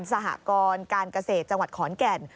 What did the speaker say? สหกรการเกษตรจังหวัดขอนแก่น